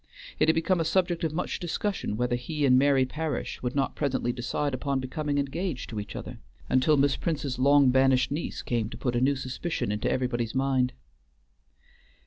It had become a subject of much discussion whether he and Mary Parish would not presently decide upon becoming engaged to each other, until Miss Prince's long banished niece came to put a new suspicion into everybody's mind.